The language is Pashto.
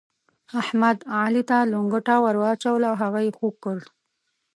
احمد، علي ته لنګته ور واچوله او هغه يې خوږ کړ.